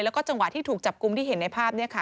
แล้วก็จังหวะที่ถูกจับกุมที่เห็นในภาพเนี่ยค่ะ